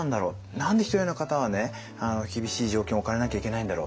何でひとり親の方はね厳しい状況に置かれなきゃいけないんだろう。